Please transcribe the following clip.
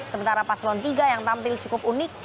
sementara paslon tiga yang tampil cukup unik